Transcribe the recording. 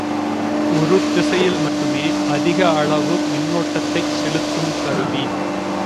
ஒரு திசையில் மட்டுமே அதிக அளவு மின்னோட்டத்தைச் செலுத்துங் கருவி.